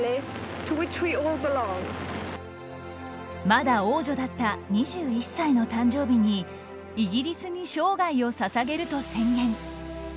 まだ王女だった２１歳の誕生日にイギリスに生涯を捧げると宣言。